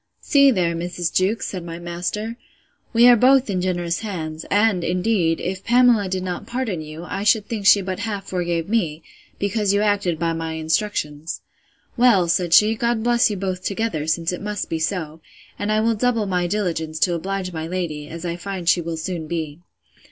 See there, Mrs. Jewkes, said my master, we are both in generous hands; and indeed, if Pamela did not pardon you, I should think she but half forgave me, because you acted by my instructions.—Well, said she, God bless you both together, since it must be so; and I will double my diligence to oblige my lady, as I find she will soon be.